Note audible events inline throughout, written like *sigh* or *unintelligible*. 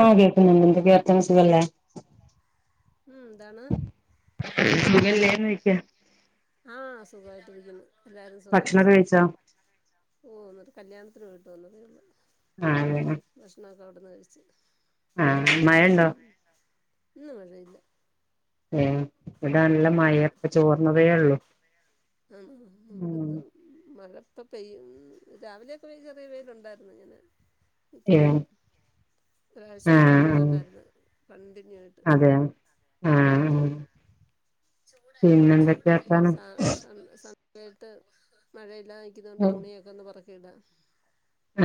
ആ കേൾക്കുന്നുണ്ട് വിയർത്തിൻസിലല്ലേ ഉം എന്താണ് സുഖല്ലേന്ന് ചോയിക്കാ ആഹ് സുഖായിട്ടിരിക്കുന്നു എല്ലാരും സുഖാ ഭക്ഷണൊക്കെ കഴിച്ചോ പോന്നത് കല്യാണത്തിന് പോയിട്ട് വന്നതേ ഉള്ളു ആ അതെ ലേ അവിടുന്ന് കഴിച്ച് ആ മഴണ്ടോ ഇന്ന് മഴ ഇല്ല ആ ഇവിട നല്ല മഴയാ ഇപ്പൊ ചോർന്നതേ ഉള്ളു ഉം ഇപ്പൊ പെയ്യും രാവിലെയൊക്കെ വെ ചെറിയ വെയിലുണ്ടായിരുന്നു ഇങ്ങനെ നിക്കുന്നു ഏഹ് ഒരാഴ്ച കൊണ്ട് ആഹ് മഴ ആഹ് തന്നായിരുന്നു കണ്ടിന്യൂ ആയിട്ട് അതെ ആഹ് ആഹ് ഉം പിന്നെന്തൊക്കെയാ വർത്താനം സാ സന്ന് സന്ന് വേൽത്ത് മഴ ല്ലാതിക്കുന്ന കൊണ്ട് തുണിയൊക്കന്ന് പറ കേടാ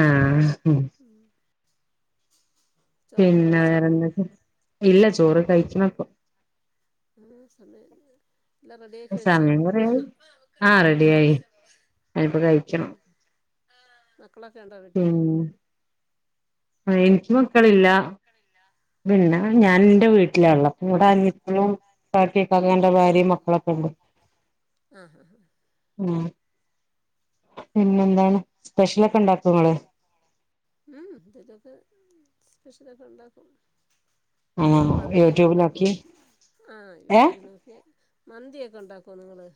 ആ മ് ചോറൊക്കെ പിന്നെ കഴിച്ചോ വേറെ ഇല്ല ചോറ് കഴിക്ക്ണ പ്പം ആ സമയ സമയം കുറയായി ആ റെഡിയായി അനിപ്പോ കഴിക്കണം മക്കളൊക്കെ ണ്ടോ വീട്ടി ആ എനിക്ക് മക്കളില്ല പിന്നെ ഞാൻ ൻറെ വീട്ടില ള്ളത് ഇടെ അനിയത്തിയും ഇക്കാക്കാന്റെ ഭാര്യയും മക്കളൊക്കെ ണ്ട്. ആ അ അ ഉ പിന്നെന്താണ് സ്പെഷ്യലൊക്കെ ണ്ടാക്കും ങ്ങള് സ്പെഷ്യൽ ഒക്ക ണ്ടാക്കും നിങ്ങള് ആഹ് മന്തിയ ഒക്കെ യൂട്യൂബ് ണ്ടാക്കോ നോക്കി ആ ഏഹ് യൂട്യൂബ് നോക്കിയ മന്തിയൊക്കെ ഉണ്ടാക്കോ നിങ്ങള്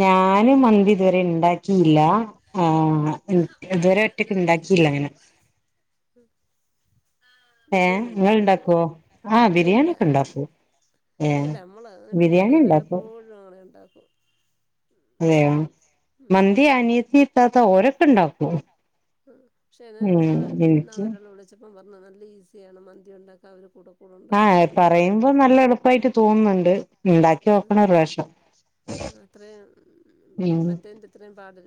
ഞാനും മന്തി ഇതുവരെ ണ്ടാക്കിയില്ല ആ ഇതുവരെ ക്കെ ഉണ്ടാക്കിയില്ല അങ്ങനെ ഉം ഏ ങ്ങൾ ണ്ടാക്കുവോ ആ ഇല്ല ബിരിയാണി ഇല്ല ഒക്കെ ഉണ്ടാക്കു ഏ ഇല്ല നമ്മള് അങ്ങനെ ബിരിയാണി ബിരിയാണിയും ഉണ്ടാക്കു വല്ലപ്പോഴും അങ്ങനെ ഉണ്ടാക്കും അതെയോ ഉം മന്തി അനിയത്തി ഇത്താത്ത ഓരോ ണ്ടാക്കും പക്ഷോ നാളെ നാളെ ഒരെള്ള വിളിച്ച അപ്പം പറഞ്ഞത് നല്ല ഈസിയാണ് മന്തി ഉണ്ടാക്കാ അവർ കൊടുക്കും ആഹ പറയുമ്പോ നല്ല എളുപ്പായിട്ട് തോന്നുന്നുണ്ട് ഉണ്ടാക്കി ഉം നോക്കണം ഒരു പ്രാവശ്യം ആഹ് അത്രയും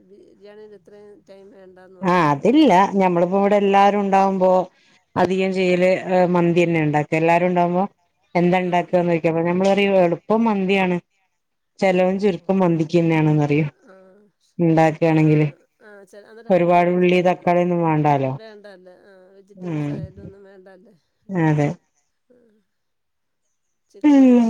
ബിരിയാണിന്റെ അത്രയും ടൈം വേണ്ടാന്ന് പറ ആ അതില്ല ഞമ്മളിപ്പോ ഇവിടെ എല്ലാരും ഉണ്ടാവുമ്പോ അധികം ചെയ്യല് മന്തി തന്നെ ഉണ്ടാക്ക എല്ലാരും ഉണ്ടാവുമ്പോ എന്താ ആഹ് ണ്ടാക്ക ചോയ്ക്കും നമ്മ എളുപ്പം മന്തിയാണ് ഓഹോ ചെലവും ഹോ ചുരുക്കം മന്തിക്ക് എന്നെ ആണ് എന്നെ പറയാ ആഹ് ണ്ടാകുആണേൽ *unintelligible* വേണ്ട ലെ വെജിറ്റബിൾസയാലും ഒന്നും വേണ്ട ആ അതെ ഉം ചിക്കനും ഉം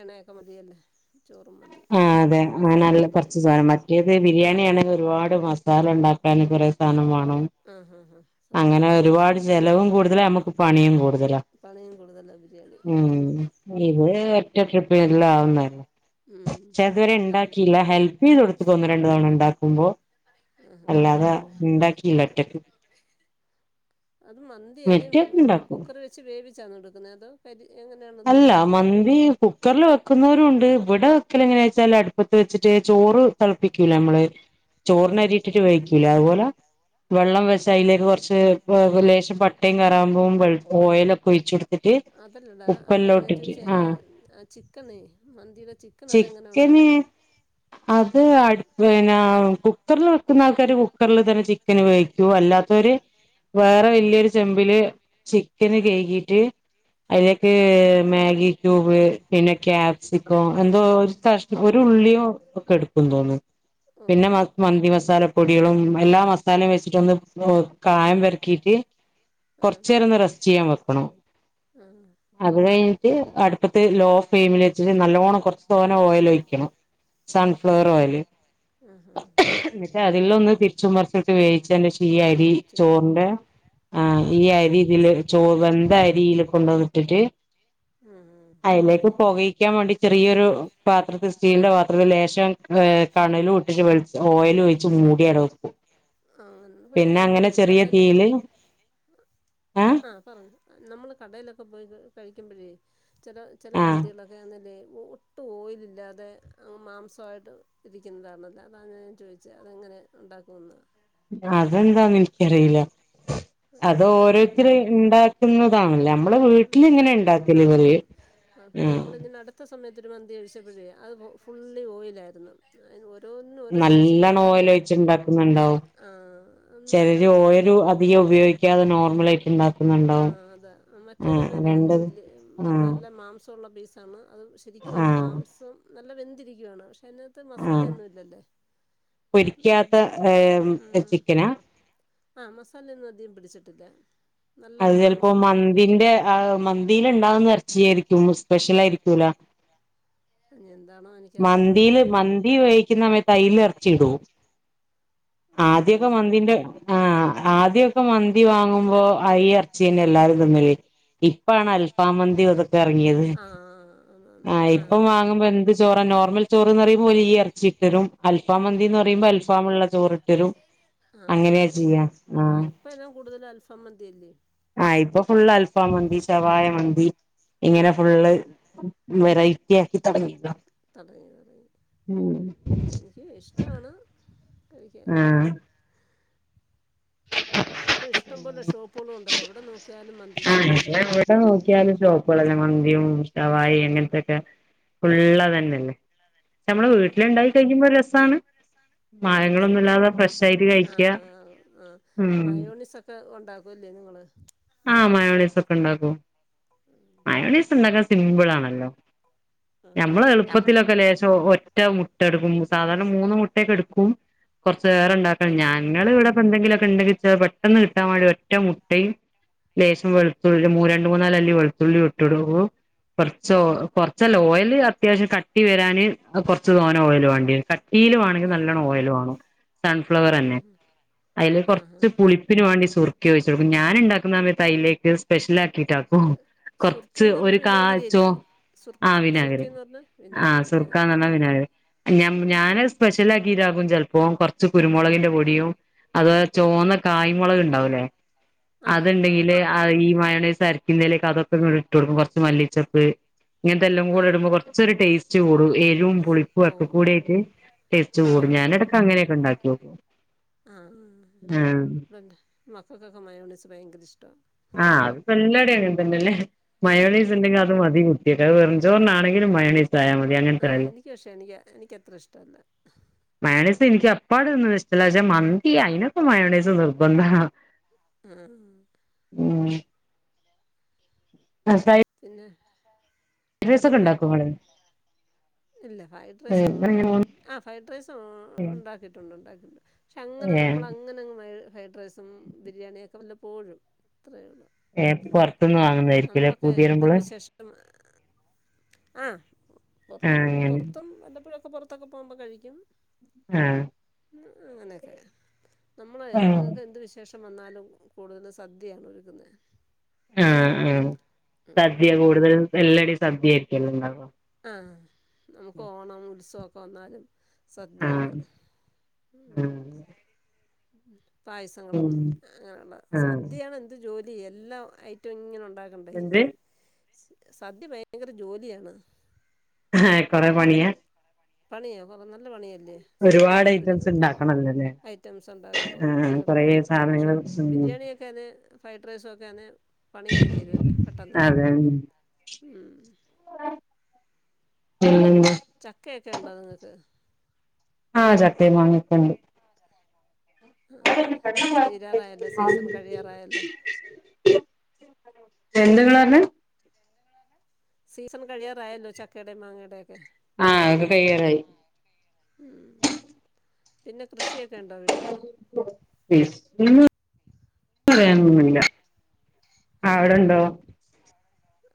എണയൊക്കെ മതിയല്ലേ ചോറും മതി ആ അതെ നല്ല അങ്ങനെ നല്ല മസാലയൊന്നും കുറച്ച് ഇല്ലല്ലോ സാധനം മറ്റേത് ബിരിയാണെ ഒരുപാട് മസാ ഉണ്ടാക്കാൻ കുറെേ സാധനമാണ് ആഹ് ആഹ് ആഹ് അങ്ങനെ സത്യാണ് ഒരുപാട് ചെലവും കൂടുതല നമുക്ക് പണിയും കൂടുതല പണിയും കൂടുതലാ ബിരിയാണി ഉ ഉം ഇത് ട്രിപ്പ് എല്ലാം ആവുന്നേ ഉം ഇതു വരെ എല്ലാ ഉണ്ടാക്കില്ല ഹെൽപ് ചെയ്ത് കൊടുത്തക്കന്ന രണ്ടു തവണ ഉണ്ടാക്ക കുഭോ *unintelligible* അല്ലാതെ ഉണ്ടാക്കിയില്ല ഒറ്റക്ക് അത് ഇണ്ടാക്കും കൊടുക്കുന്നത് അത് അല്ല മന്ദി കുക്കർല വെക്കുന്നവരും ഉണ്ട് ഇവിടെ വെക്കൽ എങ്ങനെയാ വെച്ചാല് അടുപ്പത്ത് വെച്ചിട്ട് ചോറ് തിളപ്പിക്കൂല നമ്മള് ആഹ് ചോറിനരിട്ടിട്ട് വേിക്കൂല അതുപോലെ വെള്ളം വെച്ച അതിലേക്ക് കുറച്ച് ലേശം പട്ടയും കറാുമ്പും ഓയിൽ ഒക്കെ ഒഴിച്ചുടുക്ക- എക്കെ *unintelligible* അതല്ലടാ അല്ല ഞാൻ ഉപ്പല്ലോട്ടിട്ട് ചോദിച്ചേ ആ ആഹ ആ ചിക്കണേ മന്തിയുടെ ചിക്കൻ അതെങ്ങനെ ചിക്കന് ഉണ്ടാക്കുന്നെ അത് അടുന്ന കുക്കറിൽ വെക്കുന്ന ആൾക്കാാര് കുക്കറിൽ തന്നെ ചിക്കന് വേവിക്കൂ അല്ലാത്തവര് വേറെ വലിയൊരു ചെമ്പില് ചിക്കന് കഴകിട്ട് മ ഉം മാഗി കൂബ പിന്നെ ക്യാപ്സിക്കോ എന്തോ ഒരു ഉള്ളിയോ ഒക്കെ എടുക്കും തോന്നുന്നു പിന്നെ ഓഹോ മന്തി മസാലപ്പൊടികളും എല്ലാ മസാലയും വെ- വ കായം വരക്കീട്ട് ആഹ് കൊറച്ച നേേരൊന്ന് റെസ്റ്റ് ചെയ്യാൻ വെക്കണോ ആഹ് കഴിഞ്ഞിട്ട് അടുപ്പത്ത് ലോ ഫ്ലെയിമിൽ വെച്ചിട്ട് നല്ലവോണം കുറച്ച് തോന ഓയിൽ ഒഴിക്കണം സൺഫ്ലവർ ഓഹ് ഓയിയില് ആഹ് ആഹ് അതില് ഒന്ന് ചുമർ സുട്ട വയി *unintelligible* പക്ഷേ ഈ അരി വേവിച്ചെടുക്കും ചോറിന്റെ ആ ആഹ് ഈ അരി പക്ഷെ ഇതില് ചോറ് എന്ത അരിൽ കൊണ്ടുവന്ന എന്നിട്ട് ആഹ് അതിലേക്ക് പോകായ്ക്കാൻ വേണ്ടി ചെറിയൊരു പാത്രത്തി- സ്റ്റീലിന്റെ പാത്രത്തിന് ലേശം ഏ കണലും ഇട്ടിട്ട് വള ഓയിൽ ഒഴിച്ച് മൂടി അടക്കും ആ പക്ഷെ നമ്മള് കടയിലൊക്കെ തീയില് ഏഹ് ആഹ പറഞ്ഞു നമ്മള് കടയിലൊക്കെ പോയി കഴിക്കുമ്പോഴേ ചില ചില ആഹ് മന്തികളൊക്കെ അല്ലേ ഒട്ടും ഓയിലില്ലാതെങ്ങ് മാംസമായിട്ട് ഇരിക്കുന്നതാണല്ലോ അതാണ് ഞാൻ ചോദിച്ചത് അതെങ്ങനെ ഉണ്ടാക്കുമെന്നതാണ് *unintelligible* അതെന്താന്ന് എനിക്കറിയില്ല അത് അങ്ങനെ ഓരോത്തർ ഉണ്ടാക്കുന്നതാണല്ലോ ഉ ആ ഉണ്ട ആ പിന്നെ ആഹ് നമ്മള അടുത്ത സമയത്ത് കുഴിമന്തി കഴിച്ചപ്പോഴേ അത് ഫുള്ളി ഓയിലായിരുന്നു ഓരോന്നിനും ഓരോ സ്പെഷ്യൽ നല്ലോണം ഓയിൽ പറയല്ലേ ഒഴിച്ചുണ്ടാക്കുന്നുണ്ടാവും ആഹ് അത് ചെറിയ നല്ല ഓയിൽ അധികം ഉപയോഗിക്കാതെ നോർമല് ആയിട്ട് ഉണ്ടാക്കുന്നുണ്ടാവും. ആ തിന്നുന്നില്ലേ രണ്ടത് ആ നല്ല മാംസം. ഉള്ള പീസാണ്. അത് ശരിക്കും ആ അങ്ങ് മാംസം. നല്ല വെന്തിരിക്കുവാണ് പക്ഷെ അതിനകത്ത് ആ മസാലയൊന്നും ഇല്ലല്ലേ ഉം പൊരിക്കാത്ത ഏഹ് ഉം ചിക്കനാ പിടിച്ചിട്ടക്ക. അത് ചിലപ്പോ മന്തിന്റെ ആ മന്തിയിൽ ഉണ്ടാവുന്ന ഇറച്ചിയായിരിക്കും സ്പെഷ്യൽ കിട്ടില്ല ഇനി എന്താണോ എനിക്കറിയത്തില്ല മന്തിയില് മന്തി ഉപയോഗിക്കുന്ന സമയത്ത് അതിൽ ഇറച്ചി ഇടുവോ ആദ്യൊക്കെ അതിലിടുവോ മന്തിന്റെ ആഹ് ആദ്യൊക്കെ മന്തി വാങ്ങുമ്പോ ആഹ് ഈ ഇറച്ചി തന്നെ എല്ലാരും തിന്നല് ഇപ്പാണ് അൽഫം മന്തി. ഇപ്പ ഇറങ്ങിയത് ആ ആന്ന് ആഹ് ആന്ന് ആ ഇപ്പം വാങ്ങുമ്പോ എന്ത് ചോറ നോർമൽ ചോറ്ന്ന് പറയുമ്പോ ഒരു വലിയ ഇറച്ചി ഇട്ടരും അൽഫം മന്തിന്ന് ഓഹോ പറയുമ്പോ അൽഫാമുള്ള ചോറി ഇട്ടരും ആഹ് അങ്ങനെയാ ചെയ്യാ അങ്ങനെയാണ് ആഹ് ഇപ്പം എല്ലാം കൂടുതൽ *unintelligible* ഇപ്പ ഫുൾ അൽ ആൽഫം മന്തി ഷവായ മന്തി ഇങ്ങനെ ഉം ഉം ഫുള്ള് വെറൈ *unintelligible* തടകി തടകി എനിക്ക് ഇഷ്ടമാണ് കഴിക്കാൻ ആഹ് ഇപ്പൊ ഇഷ്ടംപലെ ഷോപ്പുകളും ഉണ്ടല്ലോ എവിടെ നോക്കിയാലും മന്തി ആഹ് ഷോപ്പുണ്ട്. *unintelligible* ഷവായി ഉം അങ്ങനത്തൊക്കെ ഫുൾ അതെന്നെയല്ലേ നമ്മള് ഉം വീട്ടിലിണ്ടായി കഴിക്കുമ്പോ രസാണ്. ആണോ പഴങ്ങളൊന്നുല്ലാതെ ഫ്രഷ് ആയിട്ട് കഴിക്കാ മായോണസൊക്കെ ഉണ്ടാക്കുംല്ലേ നിങ്ങള് ആഹ് മയോണൈസൊക്കെ ഒക്കെ ഉണ്ടാക്കും. മയോന്നൈസ് ഉണ്ടാക്കാൻ സിംമ്പിൾ ആണല്ലോ ആഹ് ഞമ്മള് എളുപ്പത്തിലൊക്കെ ലേശം ഓ മറ്റ മുട്ട എടുക്കും സാധാരണ മൂന്ന് മുട്ടയൊക്കെ എട്ക്കും കൊറച്ച് വേറെ ഇണ്ടാക്കണം ആഹ് ഞങ്ങൾ ഇവിടെപ്പോ എന്തെങ്കിലുമൊക്കെ ണ്ടെങ്കിൽ പെട്ടെന്ന് കിട്ടാൻ വേണ്ടി ഒറ്റ മുട്ടയും ലേശം വെളുത്തുള്ളി മൂന്ന് രണ്ട് മൂന്നാലള്ളി വെളുത്തുള്ളി ഇട്ടിടു കൊറച്ച് കൊറച്ചല്ല ഓയിൽ അത്യാവശ്യം കട്ടി വരാന് കൊറച്ച് തോനെ ഓയിൽ വേണ്ടി വ തീൽ വേണമെങ്കിൽ ആഹ് നല്ലോണ്ണം ഓയിൽ വേണം സൺഫ്ലവർ ആഹ് തന്നെ അതില് ആഹ് ആഹ് കുറച്ച് പുളിപ്പിന് വേണ്ടി സുർ ക്കൊഴിച്ചൊട്ക്കും ഞാന് ഇണ്ടാ മ തയ്ലേക്ക് സ്പെഷ്യൽ ആ ക്കിട്ടാക്കും അത് കൊറച്ച് സുർക്കിന്ന് ഒരു പറഞ്ഞ കാഴ്ചോ വിനാഗിരിയല്ലേ ആ സുർക്ക് വിനാകിരി സുർക്കിന്ന് പറഞ്ഞാ ആഹ് വിനാഗിരി സുർക്ക എന്ന്പറഞ വിനാകിരി ആഹ് ഞാന് സ്പെഷ്യൽ ആക്കിട്ട ചെലപ്പോ കൊറച്ച് കുരുമുളകിന്റെ പൊടിയും അതുപോലെ ചുവന്ന കായ്മുളക് ണ്ടാവൂലേ ആഹ് ആഹ് അത്ണ്ടെങ്കില് അറിയാം ഈ മയോണൈസ് സരിക്കിന്തലേക്ക് അതൊക്കെ ഇട്ട് കൊടുക്കും കുറച്ച് മല്ലിച്ചെപ്പ് ഇങ്ങനത്തെല്ലാം കൂ ആഹ് ഇടുമ്പോ ആഹ് കൊറച്ചൊരു ടേസ് ച്ചൂടും എരും പുളിപ്പും ഒക്കെ ഓഹ് കൂടായിട്ട് ടേസ്റ്റ് കൂടും ആഹ് ആഹ് ഞാനിടക്ക അങ്ങനെയൊക്കെ ഇണ്ടാ െ ആഹ് മക്കൾക്കൊക്കെ മയോണൊസ് ഭയങ്കര ഇഷ് ആഹ് അത് പല്ലായിടെ അങ്ങനെതന്നല്ലേ മയോണൈസ് ആഹ് ഇണ്ടെങ്കിൽ അത് മതി കുട്ട്യൾക്ക് അത് വെർ ഞ്ചോറെന്നെ ആണെങ്കിലും മയോണീസ് ആയാൽ മതി അങ്ങനത്തെ ആഹ് എനിക്ക് പക്ഷേ എനിക്ക് എനിക്കത്ര ഇഷ്ടല്ല മയോണീസ് എനിക്ക് അപ്പാടൊന്നും ഇഷ്ടല്ല മന്തി അയിനൊക്ക മയോണൈസ് നിർബന്ധാ ആ ഉം ഫ്രൈഡ് പിന്നെ റൈസ് ഒക്കെ വേറെന്താ ഉണ്ടാക്കോ ഇങ്ങള് ഇല്ല ഫ്രൈഡ് റൈസ് ഒന്നും ഉണ്ടാക്കിട്ട ആ ഫ്രൈഡ് റൈസും ഉണ്ടാക്കിട്ടുണ്ട്ണ്ടാക്കട്ടുണ്ട് പക്ഷെ അങ്ങനെ ഏഹ് നമ്മളങ്ങനെ *unintelligible* ഫ്രൈഡ് റൈസും ബിരിയാണിയ ഒക്കെ വല്ല പോഴും ഏ പൊർത്ത്ന്ന് വാങ്ങുന്നതായിരിക്കുലേ അ നമ്മളൊക്കെ എന്തൊരു വിശേഷം ആ പുറ ആഹ് അങ്ങനെ പുറത്തും വ പ്പോഴൊക്കെ പൊറത്തൊക്കെ പോകുമ്പോ കഴിക്കും ആഹ് അങ്ങനെയൊക്കെ നമ്മള് ആഹ് ഇതെന്ത് വിശേഷം ഷം വന്നാലും കൂടുതലും സദ്യയാണ് ഒരുക്കുന്നത് ആഹ് ആഹ് സദ്യ കൂടുതൽ എല്ലടും സദ്യ ആയിരിക്കല്ലേ *unintelligible* ആ നമുക്ക് ഓണം ഉത്സവോക്കെ വന്നാല് ആഹ് സദ്യയാണ്, മ് ആഹ് ഉം പായസങ്ങളും ഉം അങ്ങനൊള്ള ആഹ് സദ്യയാണ് എന്ത് ജോലി എല്ലാ ഐറ്റവും ഇങ്ങനെണ്ട് ണ്ടക്കണ്ടേ എന്ത് സദ്യ ഭയങ്കര ജോലിയാണ് ആഹ് കൊറെ പണിയാ പണിയാ നല്ല പണി ല്ലേ സദ്യ ഒരുപാട് ഐറ്റംസ് ഒരുക്കുന്നത് ഉണ്ടാക്കണല്ലോല്ലേ ഐറ്റംസ് ഒണ്ടാക്കുമ്പോ ആഹ് നല്ല കൊറേ പണിയാണ് പക്ഷെ സാധനങ്ങൾ ഉം ബിരിയാണിയൊക്കണേ ഫ്രൈഡ് റൈസൊക്കെന്നെ പണിയങ്ങ് തീരുല്ലോ പെട്ടെന്ന് അതെ ഉം മ്മ് *unintelligible* ചക്കെ ക്കെണ്ടോ നിങ്ങക്ക് ആഹ് ചക്കേം മാങ്ങേക്കേം ഒണ്ട് ആ തീരാറായല്ലോ സീസൺ കഴിയാറായല്ലോ *inaudible* എന്തു *unintelligible* സീസൺ കഴിയാറായല്ലോ ചക്കെടേം മാങ്ങേടെ ആഹ് എക്കെ കഴിയാറായി ഉം. പിന്നെ കൃഷിയെ *unintelligible* പറയാ ഉം ല്ല ആ വിടെണ്ടോ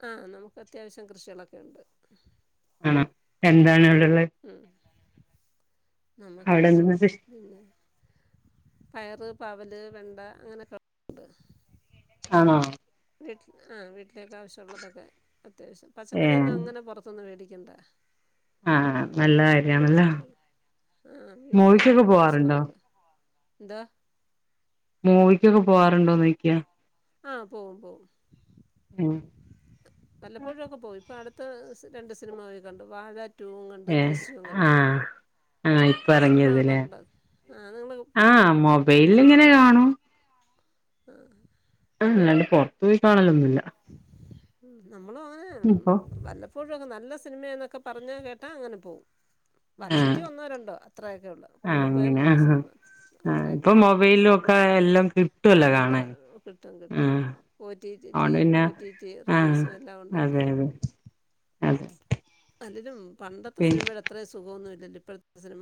ആഹ നമുക്ക് അത്യാവശ്യം കൃഷികളൊക്കെ ഉണ്ട് ആണോ എന്താണെ *unintelligible* ഉം നമുക്ക് അവിടെ എന്ത് പിന്നെ പയറ് പാവല് വെണ്ട അങ്ങനെയൊക്കെണ്ട് ആണോ വീട്ടിൽ ആ വീട്ടിലേക്കെ ആവശ്യള്ളതൊക്കെ ത്യാവശ്യം പച്ചക്കറി ഒന്നങ്ങനെ പൊർതുന്ന് മേടി കെണ്ട ആഹ നല്ല കാര്യണല്ലോ ആ മോവിക്കൊക്കെ പോവാറുണ്ടോ ന്താ മൂവിക്കൊക്കെ പോവാറുണ്ടോന്നൊയ്ക്ക്യ ആഹ പോവും പോവും ഉം വല്ലപ്പോഴും ഒക്കെ പോയി ഇപ്പൊ അട് പത്ത് രണ്ട് സിനിമ പോയി കണ്ട് വാഴാ ടൂവും ഏ ആഹ് ആ സിനിമ ഇപ്പറങ്ങ്യത് ലേ കാണാറുണ്ടോ ആ നിങ്ങൾ ആഹ് മൊബൈലില് ഇങ്ങനെ കാണും ആഹ് ആല്ലണ്ട് പുറത്തു പോയി കാണലൊന്നൂ ഇല്ല ഉം നമ്മളും അങ്ങനെ വല്ലപ്പോഴുഒക്കെ നല്ല സിനിമയാ എന്നൊക്കെ പറഞ്ഞാ കേട്ടാ അങ്ങനെ പോകും ആഹ് വർഷത്തി ഒന്നോ രണ്ടോ അത്രയൊക്കെ ഉള്ളു ആഹ് കൂടിപ്പോയാ അങ്ങനെ മൂന്ന് ആഹ് സിനിമ ആഹ് ഇപ്പൊ അത്രയൊക്കെള്ളു മൊബൈലിലും ഒക്കെ എല്ലാം ആ കിട്ടുവല്ലോ എല്ലാം കാണാൻ കിട്ടും കിട്ടും ആഹ് ഓ റ്റി റ്റി ടി അതോണ്ട് വി പിന്നെ ഓ റ്റി റ്റി ആഹ് റിലീസ് എല്ലാം ഉണ്ടല്ലോ അതെ അതെ അതെ അതിലും പണ്ടത്തെ പി സിനിമയുടെത്രേം സുഖ മൊന്നുമില്ലല്ലോ ഇപ്പഴത്തെ സിനി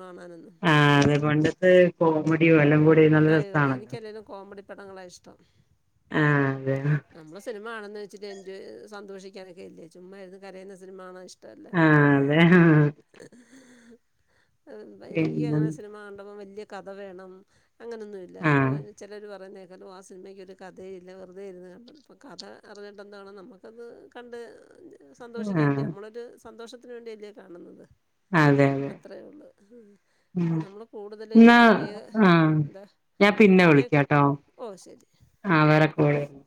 ആഹ് അതെ പണ്ടത്തെ ഇ പോ മഡിം എല്ലാം കൂടിം അയോ എനിക്ക് അല്ലേലും കോമഡി പടങ്ങളാ ഇഷ്ടം ആഹ് അതെ മാണുന്ന് വെച്ചിട്ട് എൻജോയ് സന്തോഷിക്കാനൊക്കെ അല്ലേ ചുമ്മായിരുന്നു കരയുന്ന സിനിമ കാണാൻ ഇഷ് ടല്ലാ ആഹ് അതെ ആഹ് പിന്നെ എനിക്കങ്ങനെ സിനിമ കണ്ടപ്പം വലിയ കഥ വേണം അങ്ങനെയൊന്നും ഇല്ല ആഹ് ചിലർ പറയുന്നേ *unintelligible* ആ സിനിമക്കൊര് കഥയില്ല വെറുതെ ഇരുന്ന് ക ഇപ്പം കഥ അറിഞ്ഞിട്ട എന്താണ് നമുക്കത് കണ്ട് സന്തോഷിക്കാനല്ലേ ആഹ് നമ്മളൊര് സന്തോഷത്തിന് വേണ്ടിയല്ലേ കാണുന്നത് അതെ അതെ അത്രയേ ഉള്ളൂ. നമ്മൾ കൂടുതൽ ന്നാ പഴയ ആഹ് എന്താ ഞാൻ പിന്നെ പഴയ വിളിക്കാട്ടോ ഓ ശരി. ആ വേറെ കോള് വര്